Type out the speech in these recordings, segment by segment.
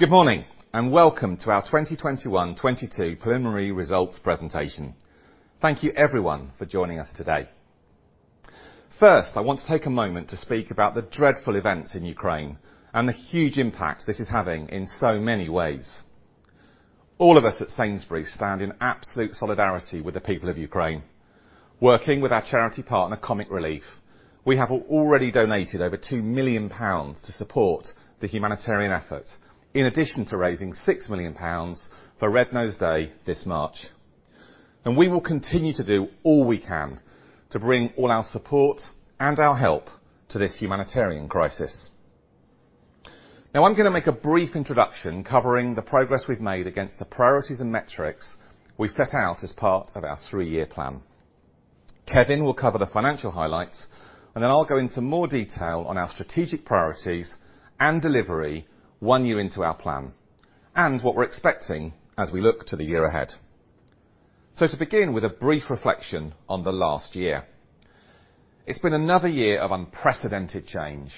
Good morning and welcome to our 2021-2022 Preliminary Results Presentation. Thank you everyone for joining us today. First, I want to take a moment to speak about the dreadful events in Ukraine and the huge impact this is having in so many ways. All of us at Sainsbury's stand in absolute solidarity with the people of Ukraine. Working with our charity partner, Comic Relief, we have already donated over 2 million pounds to support the humanitarian effort, in addition to raising 6 million pounds for Red Nose Day this March. We will continue to do all we can to bring all our support and our help to this humanitarian crisis. Now I'm gonna make a brief introduction covering the progress we've made against the priorities and metrics we set out as part of our three-year plan. Kevin will cover the financial highlights, and then I'll go into more detail on our strategic priorities and delivery one year into our plan, and what we're expecting as we look to the year ahead. To begin with a brief reflection on the last year. It's been another year of unprecedented change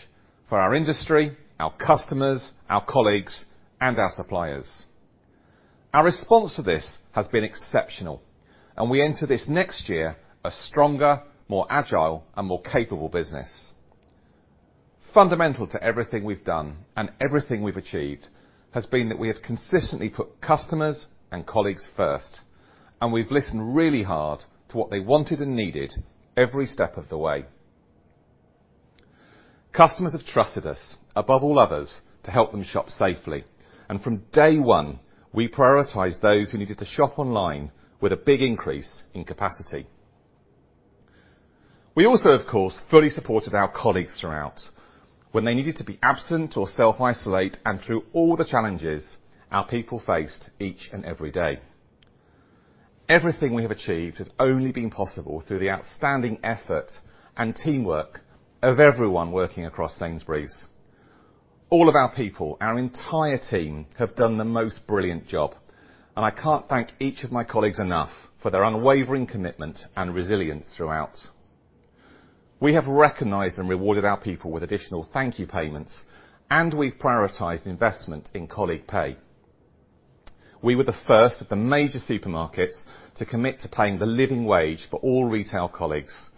for our industry, our customers, our colleagues, and our suppliers. Our response to this has been exceptional, and we enter this next year a stronger, more agile, and more capable business. Fundamental to everything we've done and everything we've achieved has been that we have consistently put customers and colleagues first, and we've listened really hard to what they wanted and needed every step of the way. Customers have trusted us above all others to help them shop safely. From day one, we prioritized those who needed to shop online with a big increase in capacity. We also, of course, fully supported our colleagues throughout when they needed to be absent or self-isolate and through all the challenges our people faced each and every day. Everything we have achieved has only been possible through the outstanding effort and teamwork of everyone working across Sainsbury's. All of our people, our entire team have done the most brilliant job, and I can't thank each of my colleagues enough for their unwavering commitment and resilience throughout. We have recognized and rewarded our people with additional thank you payments, and we've prioritized investment in colleague pay. We were the first of the major supermarkets to commit to paying the living wage for all retail colleagues,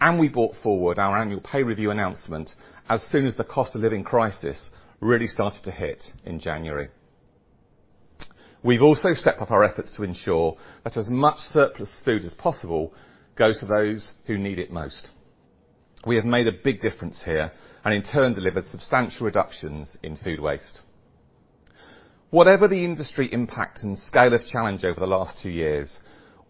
and we brought forward our annual pay review announcement as soon as the cost of living crisis really started to hit in January. We've also stepped up our efforts to ensure that as much surplus food as possible goes to those who need it most. We have made a big difference here and in turn delivered substantial reductions in food waste. Whatever the industry impact and scale of challenge over the last two years,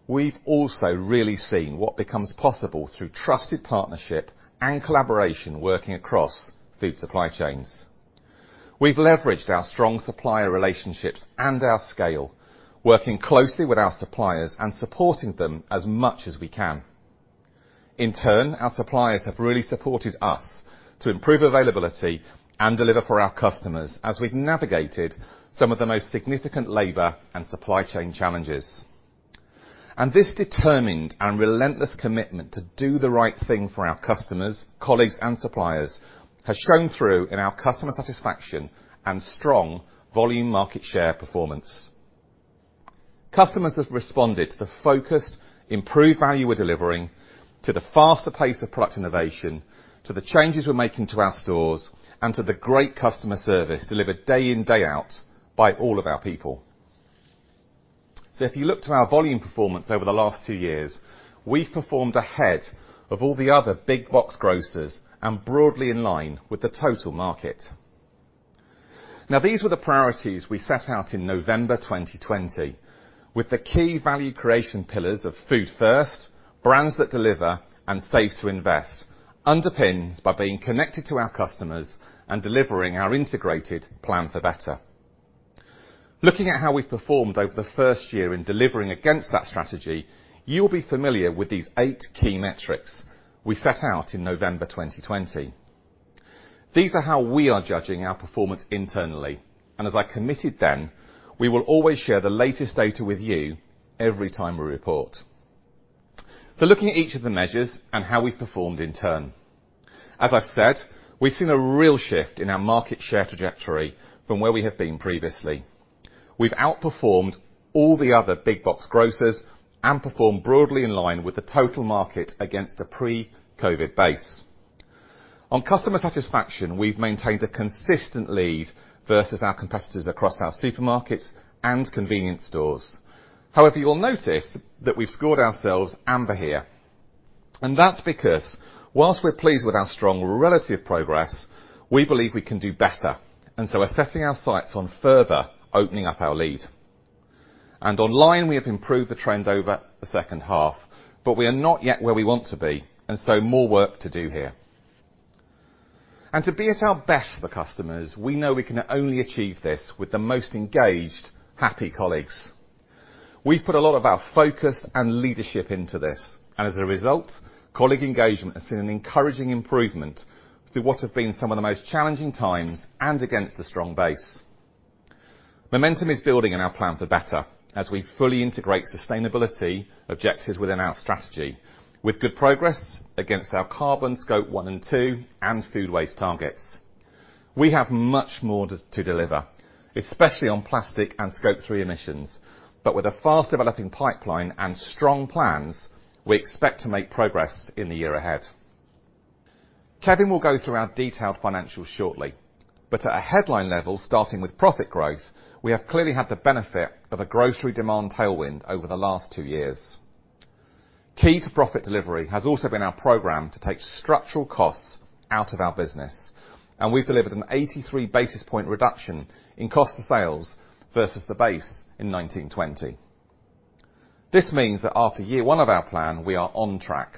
we've also really seen what becomes possible through trusted partnership and collaboration working across food supply chains. We've leveraged our strong supplier relationships and our scale, working closely with our suppliers and supporting them as much as we can. In turn, our suppliers have really supported us to improve availability and deliver for our customers as we've navigated some of the most significant labor and supply chain challenges. This determined and relentless commitment to do the right thing for our customers, colleagues, and suppliers has shown through in our customer satisfaction and strong volume market share performance. Customers have responded to the focused, improved value we're delivering to the faster pace of product innovation, to the changes we're making to our stores, and to the great customer service delivered day in, day out by all of our people. If you look to our volume performance over the last two years, we've performed ahead of all the other big box grocers and broadly in line with the total market. Now, these were the priorities we set out in November 2020, with the key value creation pillars of Food First, Brands that Deliver, and Save to Invest, underpinned by being connected to our customers and delivering our integrated Plan for Better. Looking at how we've performed over the first year in delivering against that strategy, you'll be familiar with these eight key metrics we set out in November 2020. These are how we are judging our performance internally, and as I committed then, we will always share the latest data with you every time we report. Looking at each of the measures and how we've performed in turn. As I've said, we've seen a real shift in our market share trajectory from where we have been previously. We've outperformed all the other big box grocers and performed broadly in line with the total market against a pre-COVID base. On customer satisfaction, we've maintained a consistent lead versus our competitors across our supermarkets and convenience stores. However, you'll notice that we've scored ourselves amber here, and that's because whilst we're pleased with our strong relative progress, we believe we can do better. We're setting our sights on further opening up our lead. Online, we have improved the trend over the second half, but we are not yet where we want to be, and so more work to do here. To be at our best for customers, we know we can only achieve this with the most engaged, happy colleagues. We've put a lot of our focus and leadership into this, and as a result, colleague engagement has seen an encouraging improvement through what have been some of the most challenging times and against a strong base. Momentum is building in our Plan for Better as we fully integrate sustainability objectives within our strategy with good progress against our carbon Scope 1 and 2 and food waste targets. We have much more to deliver, especially on plastic and Scope 3 emissions. With a fast developing pipeline and strong plans, we expect to make progress in the year ahead. Kevin will go through our detailed financials shortly. At a headline level, starting with profit growth, we have clearly had the benefit of a grocery demand tailwind over the last two years. Key to profit delivery has also been our program to take structural costs out of our business, and we've delivered an 83 basis points reduction in cost of sales versus the base in 2019-2020. This means that after year one of our plan, we are on track.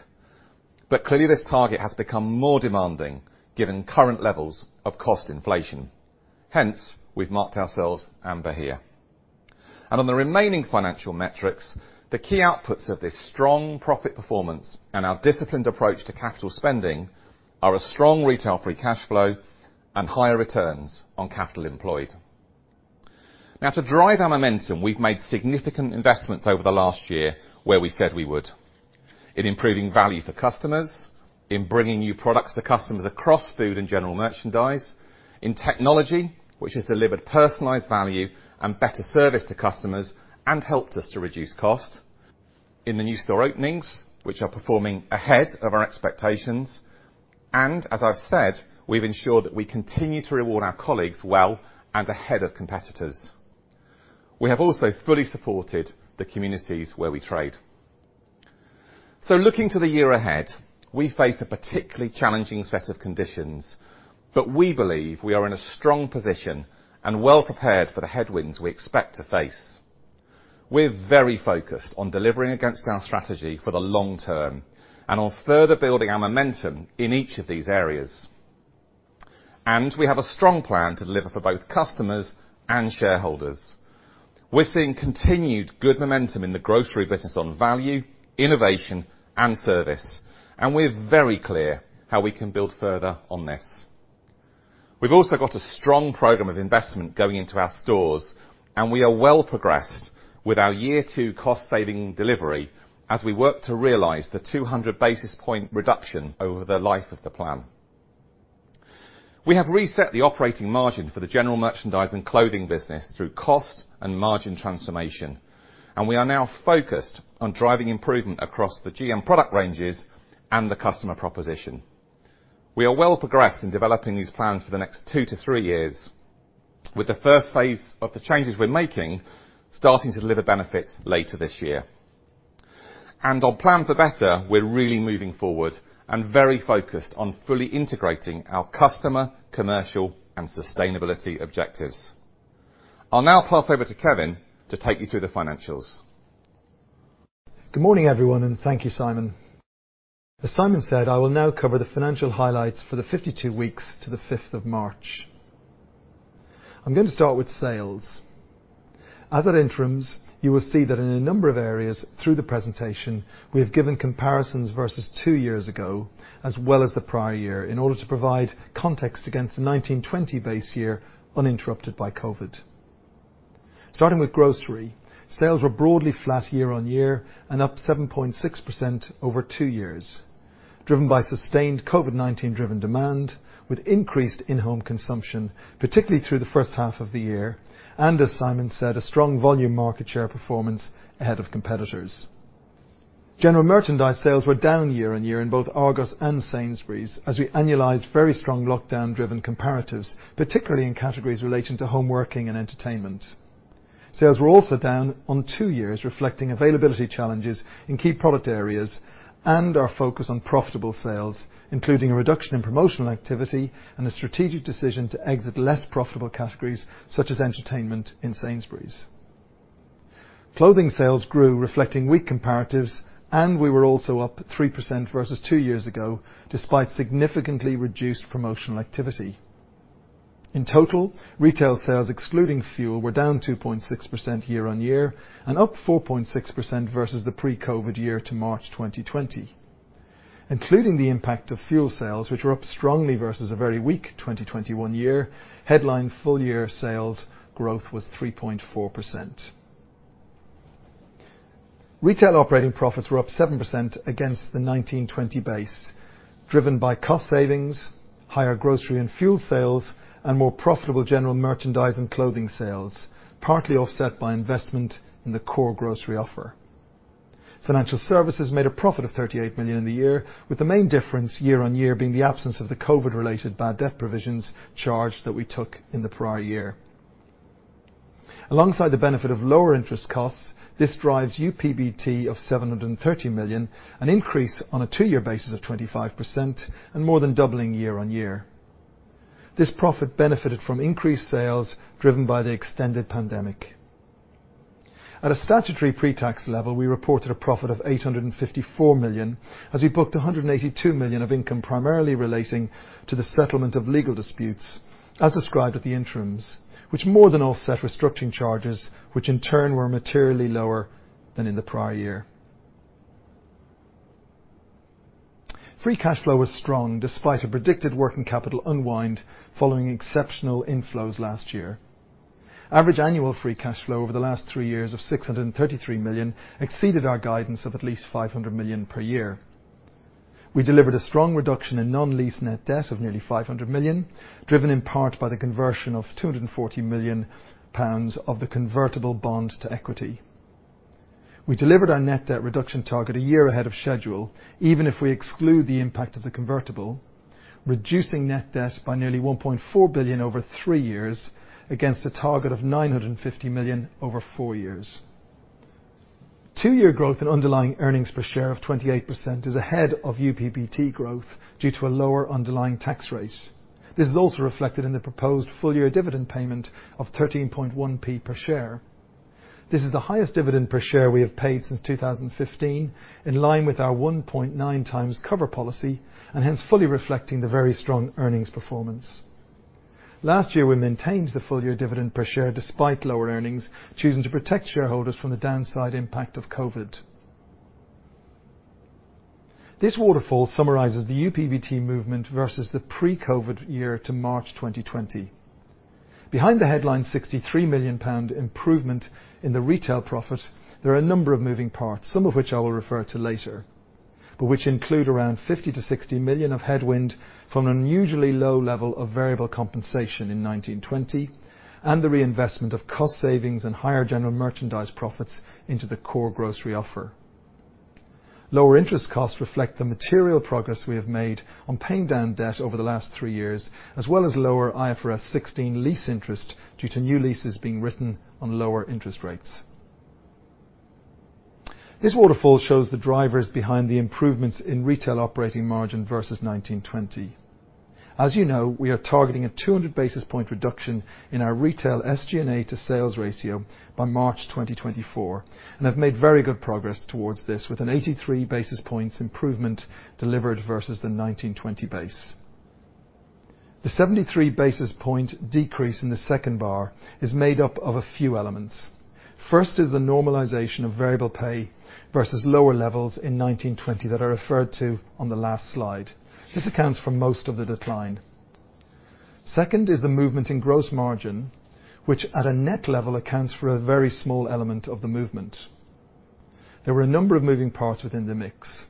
Clearly this target has become more demanding given current levels of cost inflation. Hence, we've marked ourselves amber here. On the remaining financial metrics, the key outputs of this strong profit performance and our disciplined approach to capital spending are a strong retail free cash flow and higher returns on capital employed. Now to drive our momentum, we've made significant investments over the last year where we said we would. In improving value for customers, in bringing new products to customers across food and general merchandise, in technology which has delivered personalized value and better service to customers and helped us to reduce cost, in the new store openings which are performing ahead of our expectations, and as I've said, we've ensured that we continue to reward our colleagues well and ahead of competitors. We have also fully supported the communities where we trade. Looking to the year ahead, we face a particularly challenging set of conditions, but we believe we are in a strong position and well-prepared for the headwinds we expect to face. We're very focused on delivering against our strategy for the long term and on further building our momentum in each of these areas. We have a strong plan to deliver for both customers and shareholders. We're seeing continued good momentum in the grocery business on value, innovation, and service, and we're very clear how we can build further on this. We've also got a strong program of investment going into our stores, and we are well progressed with our year two cost saving delivery as we work to realize the 200 basis point reduction over the life of the plan. We have reset the operating margin for the general merchandise and clothing business through cost and margin transformation, and we are now focused on driving improvement across the GM product ranges and the customer proposition. We are well progressed in developing these plans for the next two to three years with the first phase of the changes we're making starting to deliver benefits later this year. On Plan for Better, we're really moving forward and very focused on fully integrating our customer, commercial, and sustainability objectives. I'll now pass over to Kevin to take you through the financials. Good morning, everyone, and thank you, Simon. As Simon said, I will now cover the financial highlights for the 52 weeks to the 5th of March. I'm going to start with sales. As at interims, you will see that in a number of areas through the presentation we have given comparisons versus two years ago as well as the prior year in order to provide context against the 2019-2020 base year uninterrupted by COVID. Starting with grocery, sales were broadly flat year-on-year and up 7.6% over two years, driven by sustained COVID-19 driven demand with increased in-home consumption, particularly through the first half of the year and, as Simon said, a strong volume market share performance ahead of competitors. General merchandise sales were down year-on-year in both Argos and Sainsbury's as we annualized very strong lockdown-driven comparatives, particularly in categories relating to home working and entertainment. Sales were also down on two years, reflecting availability challenges in key product areas and our focus on profitable sales, including a reduction in promotional activity and a strategic decision to exit less profitable categories such as entertainment in Sainsbury's. Clothing sales grew reflecting weak comparatives, and we were also up 3% versus two years ago, despite significantly reduced promotional activity. In total, retail sales excluding fuel were down 2.6% year-on-year and up 4.6% versus the pre-COVID year to March 2020. Including the impact of fuel sales, which were up strongly versus a very weak 2021 year, headline full year sales growth was 3.4%. Retail operating profits were up 7% against the 2019-2020 base, driven by cost savings, higher grocery and fuel sales, and more profitable general merchandise and clothing sales, partly offset by investment in the core grocery offer. Financial services made a profit of 38 million in the year, with the main difference year-over-year being the absence of the COVID-related bad debt provisions charge that we took in the prior year. Alongside the benefit of lower interest costs, this drives UPBT of 730 million, an increase on a two-year basis of 25% and more than doubling year-on-year. This profit benefited from increased sales driven by the extended pandemic. At a statutory pre-tax level, we reported a profit of 854 million as we booked 182 million of income primarily relating to the settlement of legal disputes as described at the interims, which more than offset restructuring charges which in turn were materially lower than in the prior year. Free cash flow was strong despite a predicted working capital unwind following exceptional inflows last year. Average annual free cash flow over the last three years of 633 million exceeded our guidance of at least 500 million per year. We delivered a strong reduction in non-lease net debt of nearly 500 million, driven in part by the conversion of 240 million pounds of the convertible bond to equity. We delivered our net debt reduction target a year ahead of schedule, even if we exclude the impact of the convertible, reducing net debt by nearly 1.4 billion over three years against a target of 950 million over four years. Two-year growth in underlying earnings per share of 28% is ahead of UPBT growth due to a lower underlying tax rate. This is also reflected in the proposed full-year dividend payment of 0.131 per share. This is the highest dividend per share we have paid since 2015, in line with our 1.9x cover policy, and hence fully reflecting the very strong earnings performance. Last year, we maintained the full year dividend per share despite lower earnings, choosing to protect shareholders from the downside impact of COVID. This waterfall summarizes the UPBT movement versus the pre-COVID year to March 2020. Behind the headline 63 million pound improvement in the retail profit, there are a number of moving parts, some of which I will refer to later, but which include around 50 million-60 million of headwind from an unusually low level of variable compensation in 2019-2020, and the reinvestment of cost savings and higher general merchandise profits into the core grocery offer. Lower interest costs reflect the material progress we have made on paying down debt over the last three years, as well as lower IFRS 16 lease interest due to new leases being written on lower interest rates. This waterfall shows the drivers behind the improvements in retail operating margin versus 2019-2020. As you know, we are targeting a 200 basis point reduction in our retail SG&A to sales ratio by March 2024, and have made very good progress towards this, with an 83 basis points improvement delivered versus the 2019-2020 base. The 73 basis point decrease in the second bar is made up of a few elements. First is the normalization of variable pay versus lower levels in 2019-2020 that are referred to on the last slide. This accounts for most of the decline. Second is the movement in gross margin, which at a net level accounts for a very small element of the movement. There were a number of moving parts within the mix.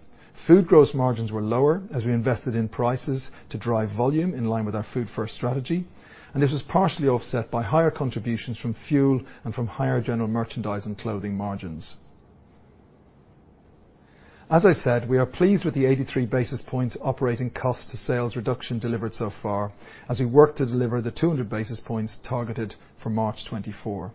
Food gross margins were lower as we invested in prices to drive volume in line with our Food First strategy, and this was partially offset by higher contributions from fuel and from higher general merchandise and clothing margins. As I said, we are pleased with the 83 basis points operating cost to sales reduction delivered so far as we work to deliver the 200 basis points targeted for March 2024.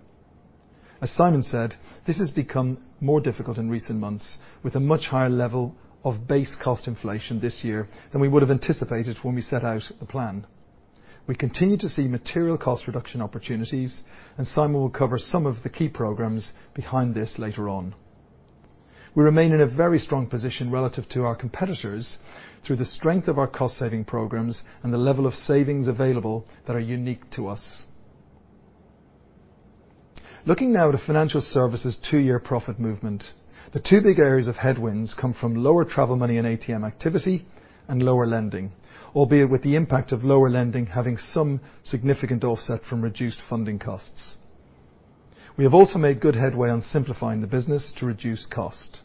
As Simon said, this has become more difficult in recent months with a much higher level of base cost inflation this year than we would have anticipated when we set out the plan. We continue to see material cost reduction opportunities, and Simon will cover some of the key programs behind this later on. We remain in a very strong position relative to our competitors through the strength of our cost saving programs and the level of savings available that are unique to us. Looking now to financial services two-year profit movement. The two big areas of headwinds come from lower travel money and ATM activity and lower lending, albeit with the impact of lower lending having some significant offset from reduced funding costs. We have also made good headway on simplifying the business to reduce cost.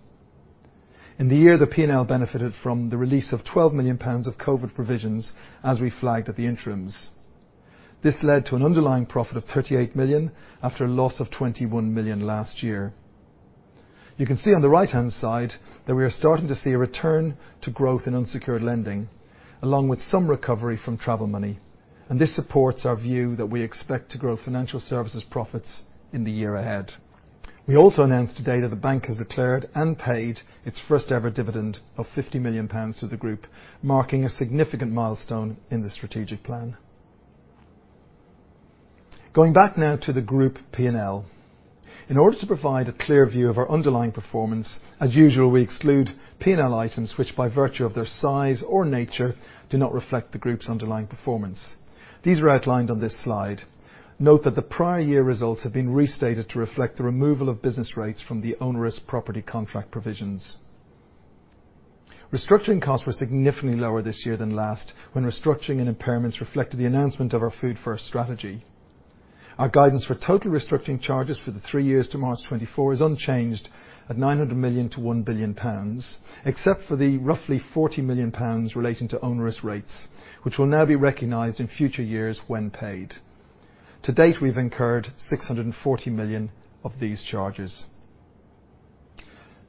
In the year, the P&L benefited from the release of 12 million pounds of COVID provisions as we flagged at the interims. This led to an underlying profit of 38 million after a loss of 21 million last year. You can see on the right-hand side that we are starting to see a return to growth in unsecured lending, along with some recovery from travel money. This supports our view that we expect to grow financial services profits in the year ahead. We also announced today that the bank has declared and paid its first ever dividend of 50 million pounds to the group, marking a significant milestone in the strategic plan. Going back now to the group P&L. In order to provide a clear view of our underlying performance, as usual, we exclude P&L items which by virtue of their size or nature, do not reflect the group's underlying performance. These are outlined on this slide. Note that the prior year results have been restated to reflect the removal of business rates from the onerous property contract provisions. Restructuring costs were significantly lower this year than last, when restructuring and impairments reflected the announcement of our Food First strategy. Our guidance for total restructuring charges for the three years to March 2024 is unchanged at 900 million-1 billion pounds, except for the roughly 40 million pounds relating to onerous rates, which will now be recognized in future years when paid. To date, we've incurred 640 million of these charges.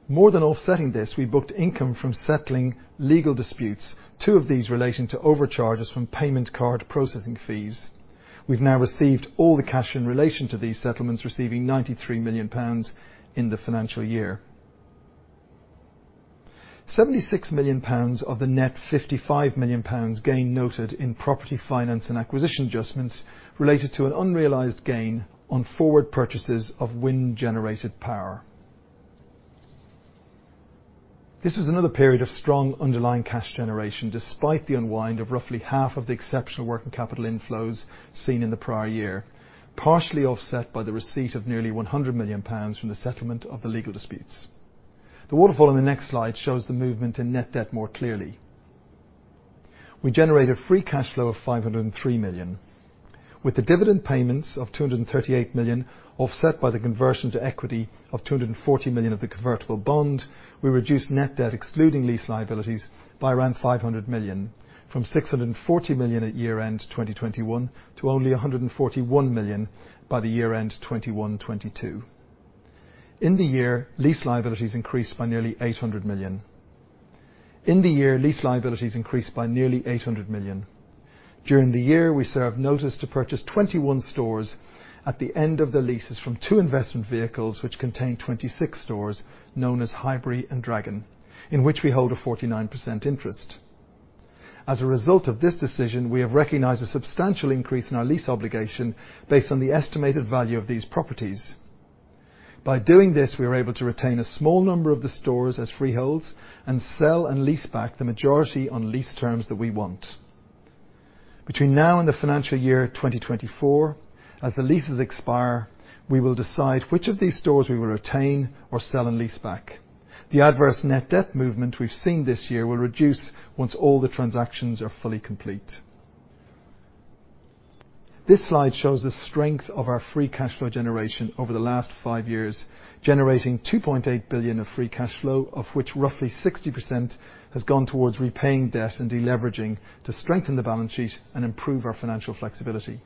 More than offsetting this, we booked income from settling legal disputes, two of these relating to overcharges from payment card processing fees. We've now received all the cash in relation to these settlements, receiving 93 million pounds in the financial year. 76 million pounds of the net 55 million pounds gain noted in property finance and acquisition adjustments related to an unrealized gain on forward purchases of wind generated power. This was another period of strong underlying cash generation despite the unwind of roughly half of the exceptional working capital inflows seen in the prior year, partially offset by the receipt of nearly 100 million pounds from the settlement of the legal disputes. The waterfall in the next slide shows the movement in net debt more clearly. We generate a free cash flow of 503 million. With the dividend payments of 238 million offset by the conversion to equity of 240 million of the convertible bond, we reduce net debt excluding lease liabilities by around 500 million from 640 million at year-end 2021 to only 141 million by the year-end 2021-2022. In the year, lease liabilities increased by nearly 800 million. In the year, lease liabilities increased by nearly 800 million. During the year, we served notice to purchase 21 stores at the end of the leases from two investment vehicles which contain 26 stores known as Highbury and Dragon, in which we hold a 49% interest. As a result of this decision, we have recognized a substantial increase in our lease obligation based on the estimated value of these properties. By doing this, we are able to retain a small number of the stores as freeholds and sell and lease back the majority on lease terms that we want. Between now and the financial year 2024, as the leases expire, we will decide which of these stores we will retain or sell and lease back. The adverse net debt movement we've seen this year will reduce once all the transactions are fully complete. This slide shows the strength of our free cash flow generation over the last five years, generating 2.8 billion of free cash flow, of which roughly 60% has gone towards repaying debt and deleveraging to strengthen the balance sheet and improve our financial flexibility.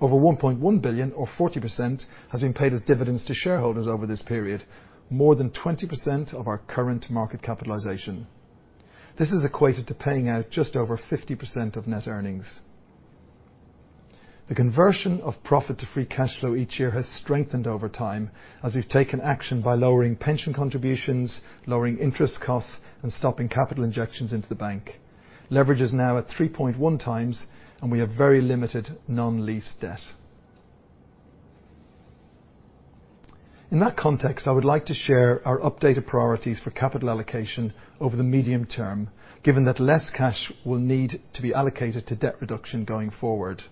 Over 1.1 billion or 40% has been paid as dividends to shareholders over this period, more than 20% of our current market capitalization. This is equated to paying out just over 50% of net earnings. The conversion of profit to free cash flow each year has strengthened over time as we've taken action by lowering pension contributions, lowering interest costs, and stopping capital injections into the bank. Leverage is now at 3.1x, and we have very limited non-lease debt. In that context, I would like to share our updated priorities for capital allocation over the medium term, given that less cash will need to be allocated to debt reduction going forward.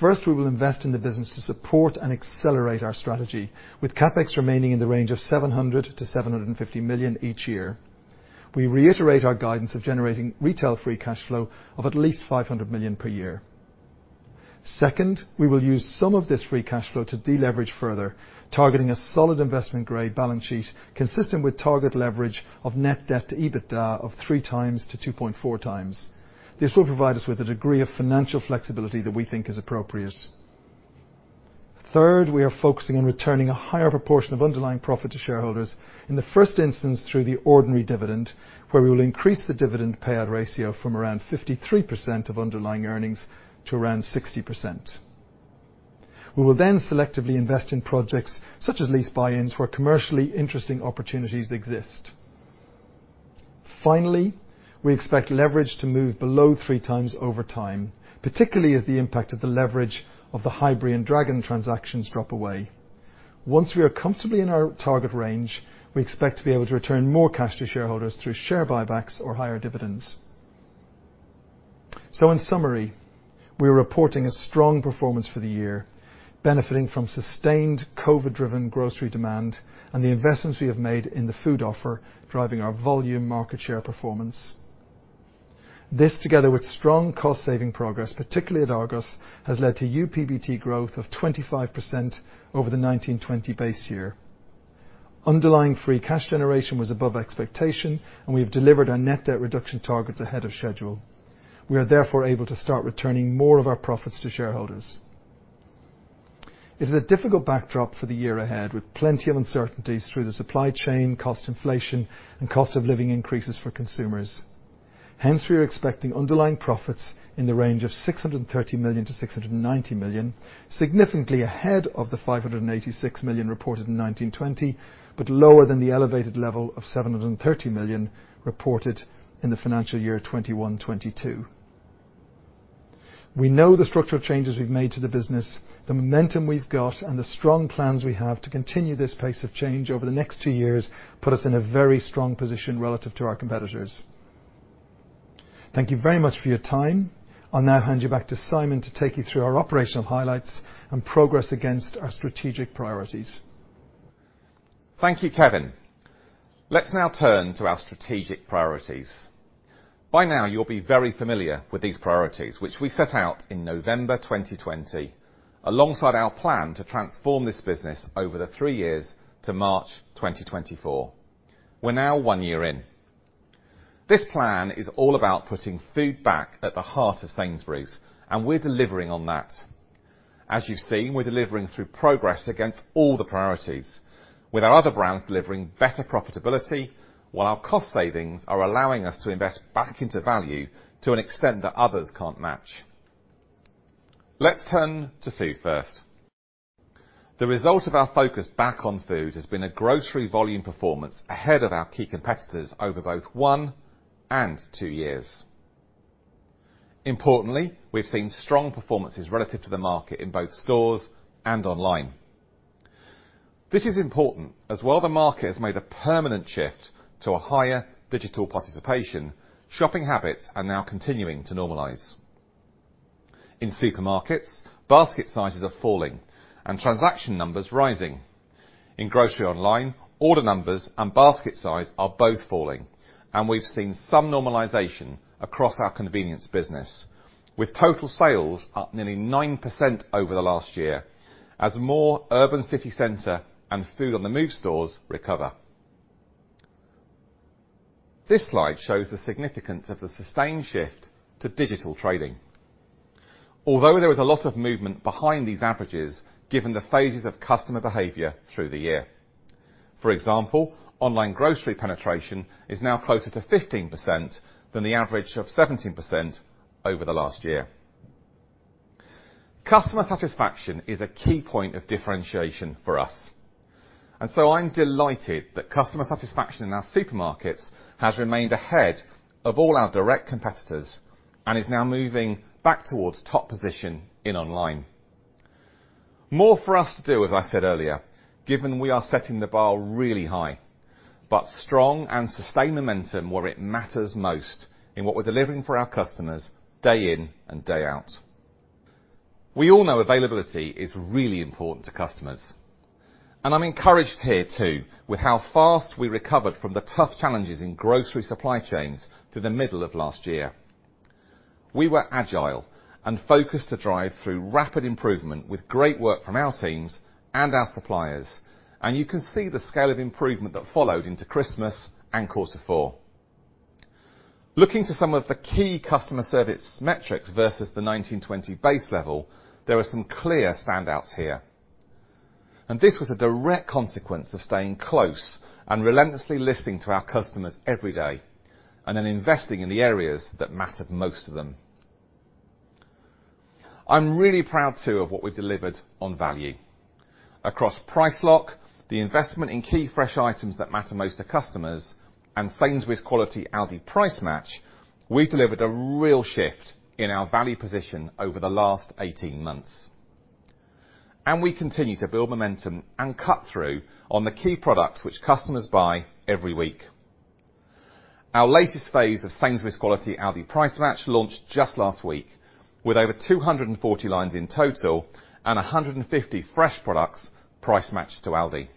First, we will invest in the business to support and accelerate our strategy with CapEx remaining in the range of 700 million-750 million each year. We reiterate our guidance of generating retail free cash flow of at least 500 million per year. Second, we will use some of this free cash flow to deleverage further, targeting a solid investment-grade balance sheet consistent with target leverage of net debt to EBITDA of 3x-2.4x. This will provide us with a degree of financial flexibility that we think is appropriate. Third, we are focusing on returning a higher proportion of underlying profit to shareholders in the first instance through the ordinary dividend, where we will increase the dividend payout ratio from around 53% of underlying earnings to around 60%. We will then selectively invest in projects such as lease buy-ins where commercially interesting opportunities exist. Finally, we expect leverage to move below 3x over time, particularly as the impact of the leverage of the Highbury and Dragon transactions drop away. Once we are comfortably in our target range, we expect to be able to return more cash to shareholders through share buybacks or higher dividends. In summary, we're reporting a strong performance for the year, benefiting from sustained COVID-driven grocery demand and the investments we have made in the food offer driving our volume market share performance. This, together with strong cost-saving progress, particularly at Argos, has led to UPBT growth of 25% over the 2019-2020 base year. Underlying free cash generation was above expectation, and we have delivered our net debt reduction targets ahead of schedule. We are therefore able to start returning more of our profits to shareholders. It is a difficult backdrop for the year ahead, with plenty of uncertainties through the supply chain, cost inflation, and cost of living increases for consumers. Hence, we are expecting underlying profits in the range of 630 million-690 million, significantly ahead of the 586 million reported in 2019-2020, but lower than the elevated level of 730 million reported in the financial year 2021-2022. We know the structural changes we've made to the business, the momentum we've got, and the strong plans we have to continue this pace of change over the next two years put us in a very strong position relative to our competitors. Thank you very much for your time. I'll now hand you back to Simon to take you through our operational highlights and progress against our strategic priorities. Thank you, Kevin. Let's now turn to our strategic priorities. By now, you'll be very familiar with these priorities, which we set out in November 2020, alongside our plan to transform this business over the three years to March 2024. We're now one year in. This plan is all about putting food back at the heart of Sainsbury's, and we're delivering on that. As you've seen, we're delivering through progress against all the priorities, with our other brands delivering better profitability, while our cost savings are allowing us to invest back into value to an extent that others can't match. Let's turn to Food First. The result of our focus back on food has been a grocery volume performance ahead of our key competitors over both one and two years. Importantly, we've seen strong performances relative to the market in both stores and online. This is important as while the market has made a permanent shift to a higher digital participation, shopping habits are now continuing to normalize. In supermarkets, basket sizes are falling and transaction numbers rising. In grocery online, order numbers and basket size are both falling. We've seen some normalization across our convenience business, with total sales up nearly 9% over the last year as more urban city center and food on the move stores recover. This slide shows the significance of the sustained shift to digital trading, although there was a lot of movement behind these averages given the phases of customer behavior through the year. For example, online grocery penetration is now closer to 15% than the average of 17% over the last year. Customer satisfaction is a key point of differentiation for us, and so I'm delighted that customer satisfaction in our supermarkets has remained ahead of all our direct competitors, and is now moving back towards top position in online. More for us to do, as I said earlier, given we are setting the bar really high, but strong and sustained momentum where it matters most in what we're delivering for our customers day in and day out. We all know availability is really important to customers, and I'm encouraged here too with how fast we recovered from the tough challenges in grocery supply chains through the middle of last year. We were agile and focused to drive through rapid improvement with great work from our teams and our suppliers. You can see the scale of improvement that followed into Christmas and quarter four. Looking to some of the key customer service metrics versus the 2019-2020 base level, there are some clear standouts here. This was a direct consequence of staying close and relentlessly listening to our customers every day, and then investing in the areas that mattered most to them. I'm really proud too of what we delivered on value. Across Price Lock, the investment in key fresh items that matter most to customers, and Sainsbury's Quality Aldi Price Match, we've delivered a real shift in our value position over the last 18 months. We continue to build momentum and cut through on the key products which customers buy every week. Our latest phase of Sainsbury's Quality Aldi Price Match launched just last week with over 240 lines in total and 150 fresh products price matched to Aldi.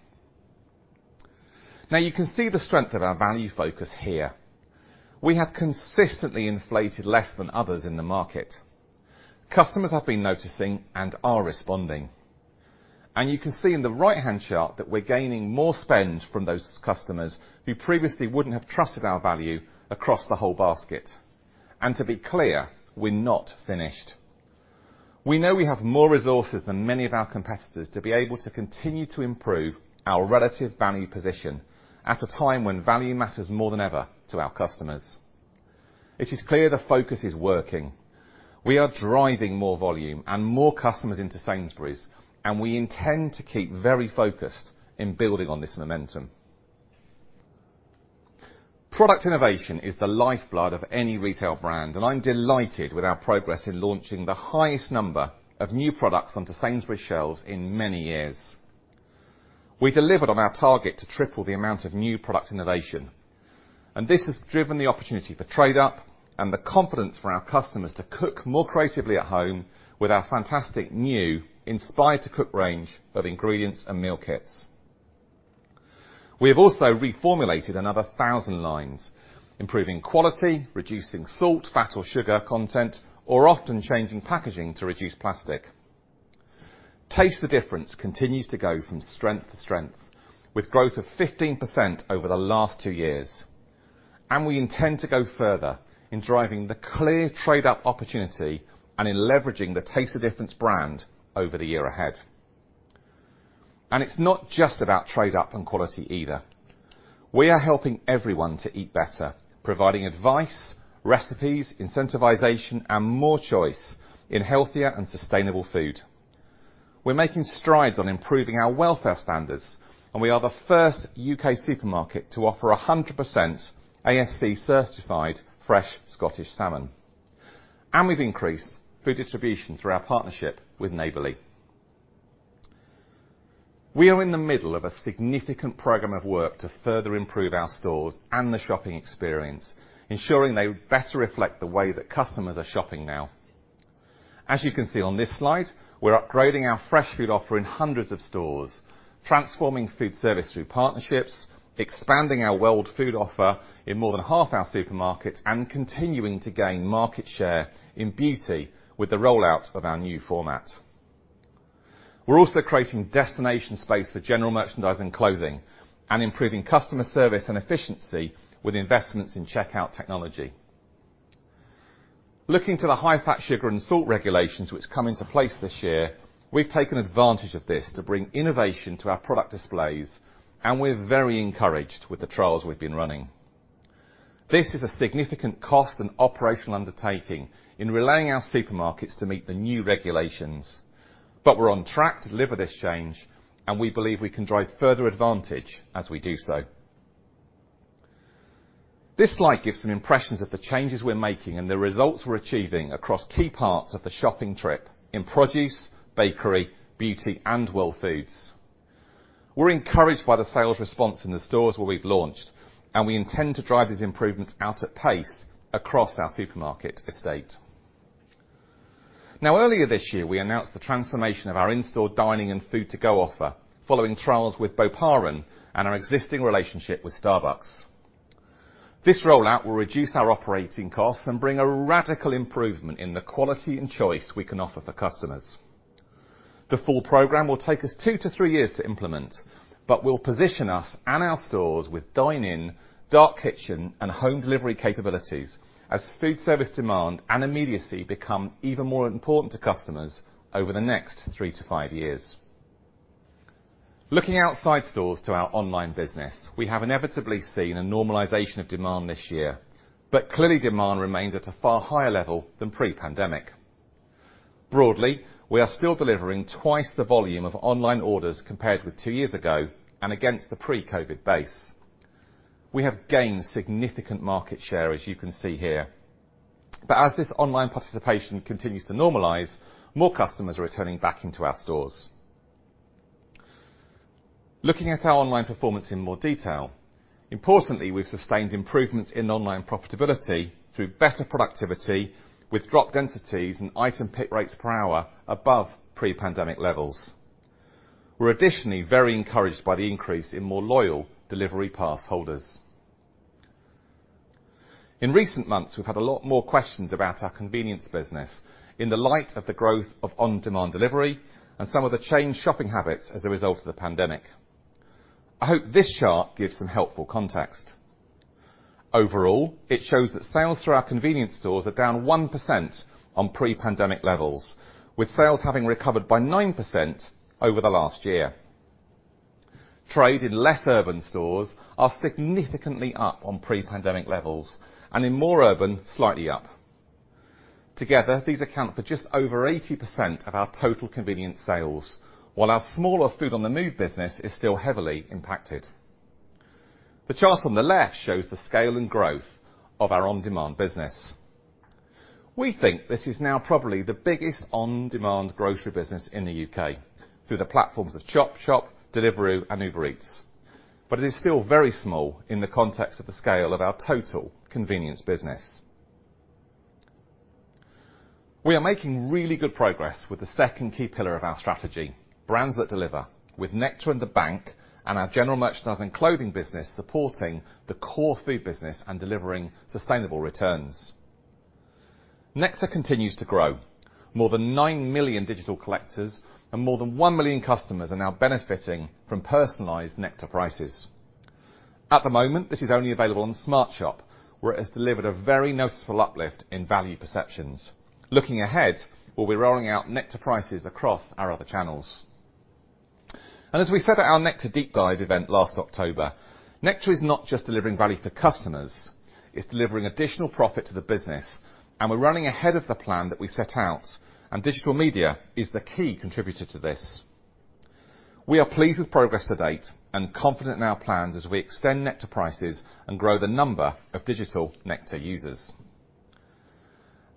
Now you can see the strength of our value focus here. We have consistently inflated less than others in the market. Customers have been noticing and are responding. You can see in the right-hand chart that we're gaining more spend from those customers who previously wouldn't have trusted our value across the whole basket. To be clear, we're not finished. We know we have more resources than many of our competitors to be able to continue to improve our relative value position at a time when value matters more than ever to our customers. It is clear the focus is working. We are driving more volume and more customers into Sainsbury's, and we intend to keep very focused in building on this momentum. Product innovation is the lifeblood of any retail brand, and I'm delighted with our progress in launching the highest number of new products onto Sainsbury's shelves in many years. We delivered on our target to triple the amount of new product innovation, and this has driven the opportunity for trade up and the confidence for our customers to cook more creatively at home with our fantastic new Inspired to Cook range of ingredients and meal kits. We have also reformulated another 1,000 lines, improving quality, reducing salt, fat, or sugar content, or often changing packaging to reduce plastic. Taste the Difference continues to go from strength to strength, with growth of 15% over the last two years. We intend to go further in driving the clear trade-up opportunity and in leveraging the Taste the Difference brand over the year ahead. It's not just about trade-up and quality either. We are helping everyone to eat better, providing advice, recipes, incentivization, and more choice in healthier and sustainable food. We're making strides on improving our welfare standards, and we are the first U.K. supermarket to offer 100% ASC-certified fresh Scottish salmon. We've increased food distribution through our partnership with Neighbourly. We are in the middle of a significant program of work to further improve our stores and the shopping experience, ensuring they better reflect the way that customers are shopping now. As you can see on this slide, we're upgrading our fresh food offer in hundreds of stores, transforming food service through partnerships, expanding our World Foods offer in more than half our supermarkets, and continuing to gain market share in beauty with the rollout of our new format. We're also creating destination space for general merchandise and clothing, and improving customer service and efficiency with investments in checkout technology. Looking to the high fat, sugar, and salt regulations which come into place this year, we've taken advantage of this to bring innovation to our product displays, and we're very encouraged with the trials we've been running. This is a significant cost and operational undertaking in relaying our supermarkets to meet the new regulations, but we're on track to deliver this change, and we believe we can drive further advantage as we do so. This slide gives some impressions of the changes we're making and the results we're achieving across key parts of the shopping trip in produce, bakery, beauty, and world foods. We're encouraged by the sales response in the stores where we've launched, and we intend to drive these improvements out at pace across our supermarket estate. Now, earlier this year, we announced the transformation of our in-store dining and food to-go offer following trials with Boparan and our existing relationship with Starbucks. This rollout will reduce our operating costs and bring a radical improvement in the quality and choice we can offer for customers. The full program will take us two to three years to implement, but will position us and our stores with dine-in, dark kitchen, and home delivery capabilities as food service demand and immediacy become even more important to customers over the next three to five years. Looking outside stores to our online business, we have inevitably seen a normalization of demand this year. Clearly demand remains at a far higher level than pre-pandemic. Broadly, we are still delivering twice the volume of online orders compared with two years ago and against the pre-COVID base. We have gained significant market share, as you can see here. As this online participation continues to normalize, more customers are returning back into our stores. Looking at our online performance in more detail, importantly, we've sustained improvements in online profitability through better productivity with drop densities and item pick rates per hour above pre-pandemic levels. We're additionally very encouraged by the increase in more loyal delivery pass holders. In recent months, we've had a lot more questions about our convenience business in the light of the growth of on-demand delivery and some of the changed shopping habits as a result of the pandemic. I hope this chart gives some helpful context. Overall, it shows that sales through our convenience stores are down 1% on pre-pandemic levels, with sales having recovered by 9% over the last year. Trade in less urban stores are significantly up on pre-pandemic levels, and in more urban, slightly up. Together, these account for just over 80% of our total convenience sales, while our smaller food on the move business is still heavily impacted. The chart on the left shows the scale and growth of our on-demand business. We think this is now probably the biggest on-demand grocery business in the U.K. Through the platforms of Chop Chop, Deliveroo, and Uber Eats. It is still very small in the context of the scale of our total convenience business. We are making really good progress with the second key pillar of our strategy, Brands that Deliver, with Nectar and the bank and our general merchandise and clothing business supporting the core food business and delivering sustainable returns. Nectar continues to grow. More than 9 million digital collectors and more than 1 million customers are now benefiting from personalized Nectar Prices. At the moment, this is only available on SmartShop, where it has delivered a very noticeable uplift in value perceptions. Looking ahead, we'll be rolling out Nectar Prices across our other channels. As we said at our Nectar Deep Dive event last October, Nectar is not just delivering value for customers, it's delivering additional profit to the business, and we're running ahead of the plan that we set out, and digital media is the key contributor to this. We are pleased with progress to date and confident in our plans as we extend Nectar Prices and grow the number of digital Nectar users.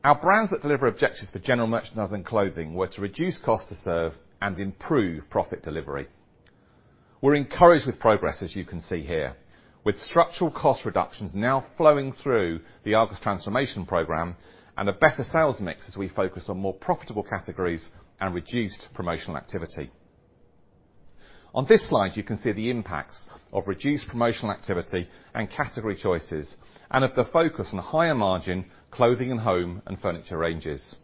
Our Brands that Deliver objectives for general merchandise and clothing were to reduce cost to serve and improve profit delivery. We're encouraged with progress, as you can see here, with structural cost reductions now flowing through the Argos transformation program and a better sales mix as we focus on more profitable categories and reduced promotional activity. On this slide, you can see the impacts of reduced promotional activity and category choices and of the focus on higher margin clothing and home and furniture ranges.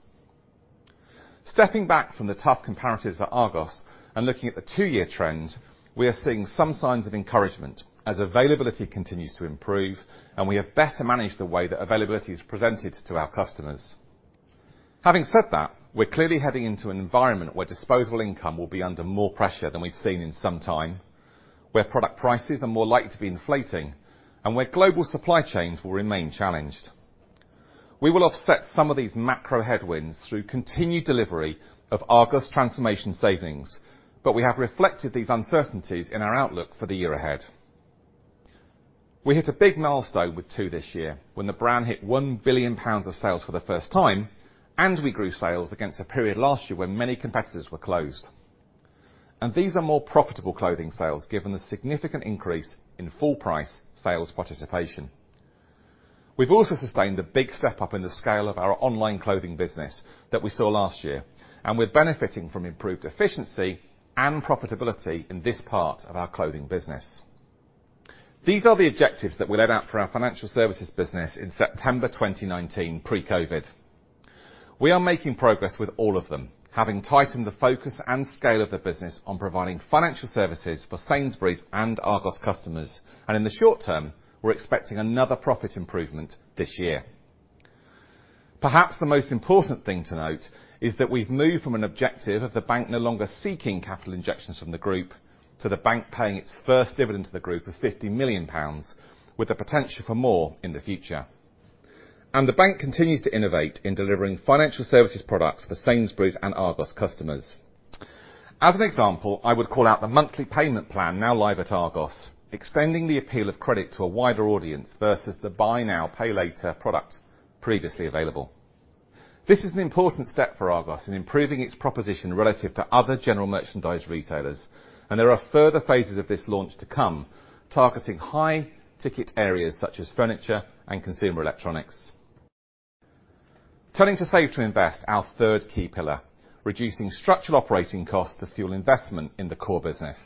Stepping back from the tough comparatives at Argos and looking at the two-year trend, we are seeing some signs of encouragement as availability continues to improve and we have better managed the way that availability is presented to our customers. Having said that, we're clearly heading into an environment where disposable income will be under more pressure than we've seen in some time, where product prices are more likely to be inflating, and where global supply chains will remain challenged. We will offset some of these macro headwinds through continued delivery of Argos transformation savings, but we have reflected these uncertainties in our outlook for the year ahead. We hit a big milestone with Tu this year when the brand hit 1 billion pounds of sales for the first time, and we grew sales against a period last year when many competitors were closed. These are more profitable clothing sales, given the significant increase in full price sales participation. We've also sustained a big step up in the scale of our online clothing business that we saw last year, and we're benefiting from improved efficiency and profitability in this part of our clothing business. These are the objectives that we laid out for our financial services business in September 2019 pre-COVID. We are making progress with all of them, having tightened the focus and scale of the business on providing financial services for Sainsbury's and Argos customers. In the short term, we're expecting another profit improvement this year. Perhaps the most important thing to note is that we've moved from an objective of the bank no longer seeking capital injections from the group to the bank paying its first dividend to the group of 50 million pounds, with the potential for more in the future. The bank continues to innovate in delivering financial services products for Sainsbury's and Argos customers. As an example, I would call out the monthly payment plan now live at Argos, extending the appeal of credit to a wider audience versus the buy now, pay later product previously available. This is an important step for Argos in improving its proposition relative to other general merchandise retailers, and there are further phases of this launch to come, targeting high ticket areas such as furniture and consumer electronics. Turning to Save to Invest, our third key pillar, reducing structural operating costs to fuel investment in the core business.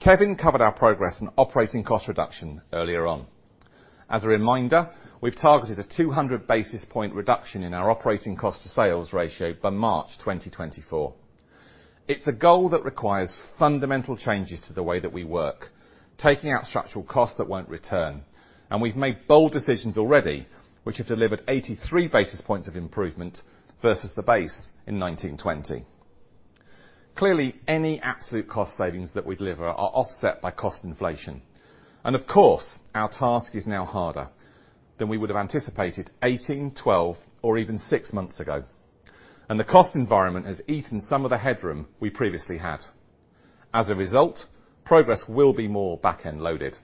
Kevin covered our progress in operating cost reduction earlier on. As a reminder, we've targeted a 200 basis point reduction in our operating cost to sales ratio by March 2024. It's a goal that requires fundamental changes to the way that we work, taking out structural costs that won't return. We've made bold decisions already, which have delivered 83 basis points of improvement versus the base in 2019-2020. Clearly, any absolute cost savings that we deliver are offset by cost inflation. Of course, our task is now harder than we would have anticipated 18, 12, or even six months ago. The cost environment has eaten some of the headroom we previously had. As a result, progress will be more back-end loaded.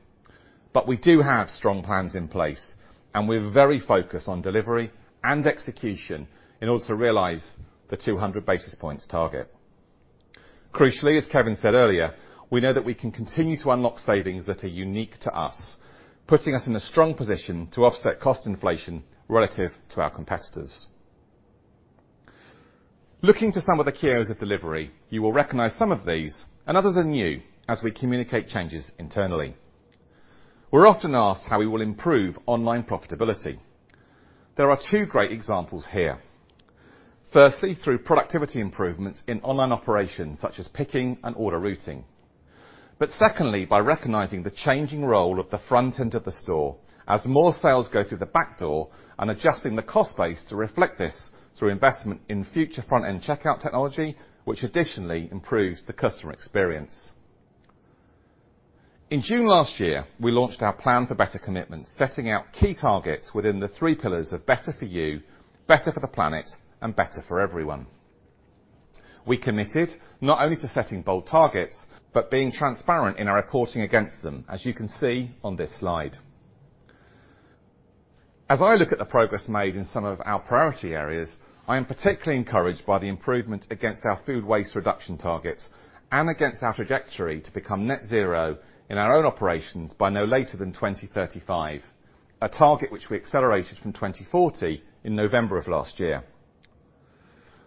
We do have strong plans in place, and we're very focused on delivery and execution in order to realize the 200 basis points target. Crucially, as Kevin said earlier, we know that we can continue to unlock savings that are unique to us, putting us in a strong position to offset cost inflation relative to our competitors. Looking to some of the key areas of delivery, you will recognize some of these and others are new as we communicate changes internally. We're often asked how we will improve online profitability. There are two great examples here. Firstly, through productivity improvements in online operations such as picking and order routing. Secondly, by recognizing the changing role of the front end of the store as more sales go through the back door and adjusting the cost base to reflect this through investment in future front-end checkout technology, which additionally improves the customer experience. In June last year, we launched our Plan for Better commitment, setting out key targets within the three pillars of better for you, better for the planet, and better for everyone. We committed not only to setting bold targets, but being transparent in our reporting against them, as you can see on this slide. As I look at the progress made in some of our priority areas, I am particularly encouraged by the improvement against our food waste reduction targets and against our trajectory to become net zero in our own operations by no later than 2035, a target which we accelerated from 2040 in November of last year.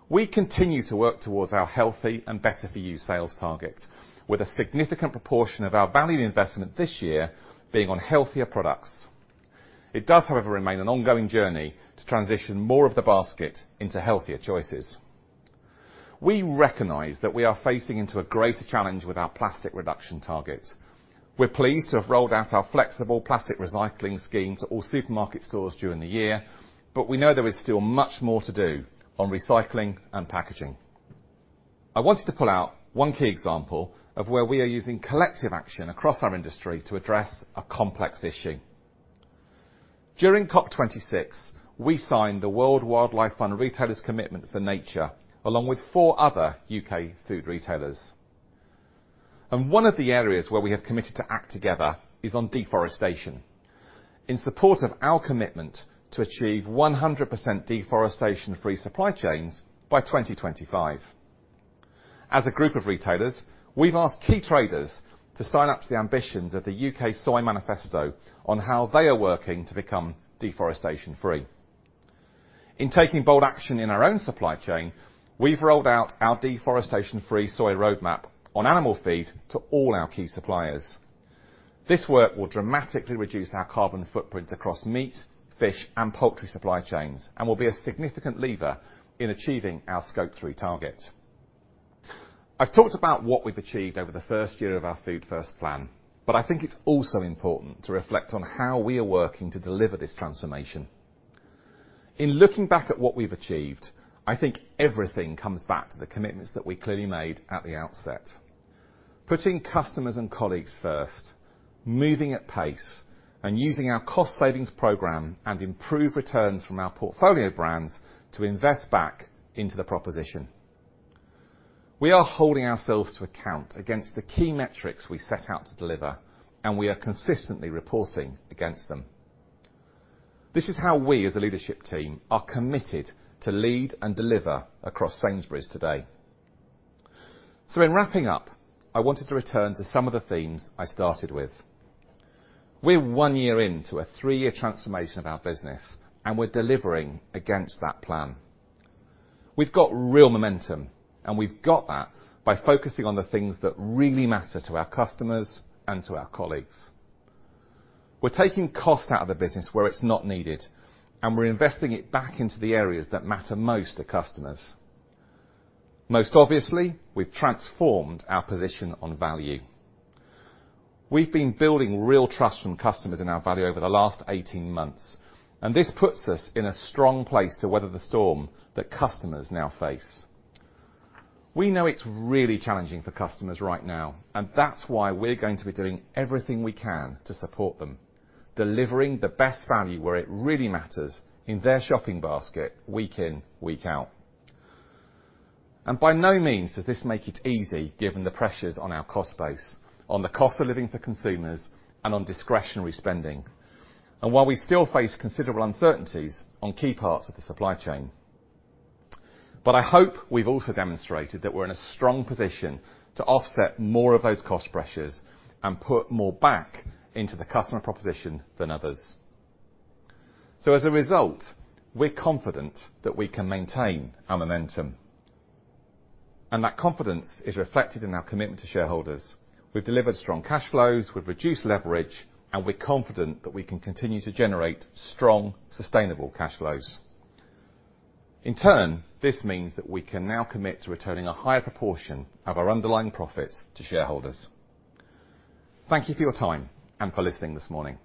We continue to work towards our healthy and better for you sales target with a significant proportion of our value investment this year being on healthier products. It does, however, remain an ongoing journey to transition more of the basket into healthier choices. We recognize that we are facing into a greater challenge with our plastic reduction target. We're pleased to have rolled out our flexible plastic recycling scheme to all supermarket stores during the year, but we know there is still much more to do on recycling and packaging. I wanted to pull out one key example of where we are using collective action across our industry to address a complex issue. During COP26, we signed the World Wildlife Fund Retailers' Commitment for Nature along with four other U.K. food retailers. One of the areas where we have committed to act together is on deforestation, in support of our commitment to achieve 100% deforestation-free supply chains by 2025. As a group of retailers, we've asked key traders to sign up to the ambitions of The UK Soy Manifesto on how they are working to become deforestation-free. In taking bold action in our own supply chain, we've rolled out our deforestation-free soy roadmap on animal feed to all our key suppliers. This work will dramatically reduce our carbon footprint across meat, fish, and poultry supply chains and will be a significant lever in achieving our Scope 3 target. I've talked about what we've achieved over the first year of our Food First plan, I think it's also important to reflect on how we are working to deliver this transformation. In looking back at what we've achieved, I think everything comes back to the commitments that we clearly made at the outset. Putting customers and colleagues first, moving at pace, and using our cost savings program and improve returns from our portfolio brands to invest back into the proposition. We are holding ourselves to account against the key metrics we set out to deliver, and we are consistently reporting against them. This is how we as a leadership team are committed to lead and deliver across Sainsbury's today. In wrapping up, I wanted to return to some of the themes I started with. We're one year into a three-year transformation of our business, and we're delivering against that plan. We've got real momentum, and we've got that by focusing on the things that really matter to our customers and to our colleagues. We're taking cost out of the business where it's not needed, and we're investing it back into the areas that matter most to customers. Most obviously, we've transformed our position on value. We've been building real trust from customers in our value over the last 18 months, and this puts us in a strong place to weather the storm that customers now face. We know it's really challenging for customers right now, and that's why we're going to be doing everything we can to support them, delivering the best value where it really matters in their shopping basket week in, week out. By no means does this make it easy given the pressures on our cost base, on the cost of living for consumers, and on discretionary spending, and while we still face considerable uncertainties on key parts of the supply chain. I hope we've also demonstrated that we're in a strong position to offset more of those cost pressures and put more back into the customer proposition than others. As a result, we're confident that we can maintain our momentum, and that confidence is reflected in our commitment to shareholders. We've delivered strong cash flows, we've reduced leverage, and we're confident that we can continue to generate strong, sustainable cash flows. In turn, this means that we can now commit to returning a higher proportion of our underlying profits to shareholders. Thank you for your time and for listening this morning.